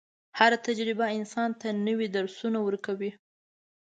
هره تجربه انسان ته نوي درسونه ورکوي.